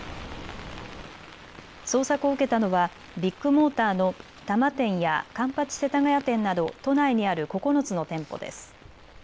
捜索を受けたのはビッグモーターの多摩店や環八世田谷店など都内にある９つの店舗です。